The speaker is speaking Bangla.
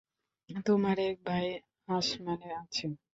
তোমার এক ভাই আসমানে আছে?